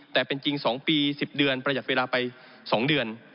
แต่เป็นจริง๒ปี๑๐เดือนประหยัดเวลาไป๒เดือน